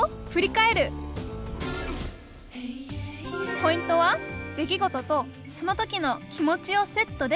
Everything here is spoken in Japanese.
ポイントは出来事とその時の気持ちをセットで振り返ること